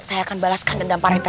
saya akan balaskan dendam pareta